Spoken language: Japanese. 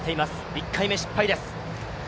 １回目失敗です。